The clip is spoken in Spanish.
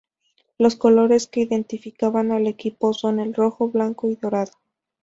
Los colores que identificaban al equipo son el rojo, blanco y dorado.